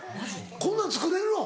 こんなん作れるの？